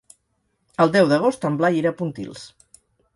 El deu d'agost en Blai irà a Pontils.